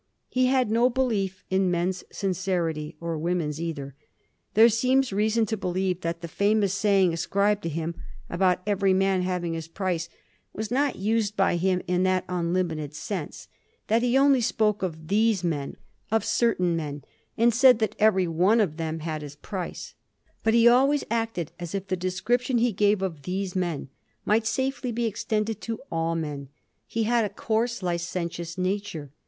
He had no belief in men's sincerity — or women's either. There seems reason to believe that the famous saying ascribed to him, about every man Digitized by Google J 1717. WALPOLE BIDES HIS TIME. 217 t haying his price, was not used by him in that un limited sense ; that he only spoke of ^ these men '— of certain men — and said that every one of them had his price. But he always acted as if the description he gave of * these men ' might safely be extended to all men. He had a coarse, licentious nature.